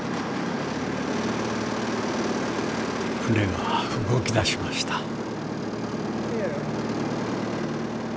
船が動き出しました。